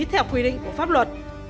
theo quy định của pháp luật